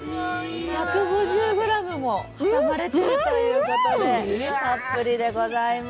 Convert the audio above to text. １５０ｇも挟まれているということでたっぷりでございます